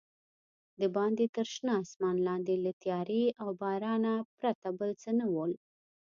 دباندې تر شنه اسمان لاندې له تیارې او بارانه پرته بل څه نه ول.